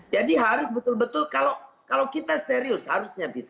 jadi harus betul betul kalau kita serius harusnya bisa